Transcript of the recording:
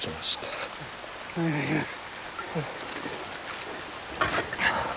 お願いします。